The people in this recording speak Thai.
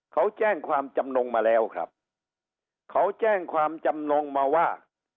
เขาแจ้งความจำนงมาแล้วครับเขาแจ้งความจำนงมาว่า